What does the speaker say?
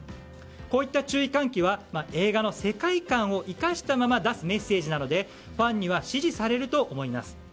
こういった注意喚起は映画の世界観を生かしたまま出すメッセージなのでファンには支持されると思います。